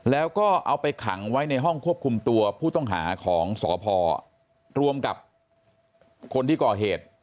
แล้วก็เอาไปขังไว้ในห้องควบคุมตัวผู้ต้องหาของสพรวมกับคนที่ก่อเหตุ